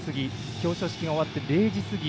表彰式が終わって０時過ぎ。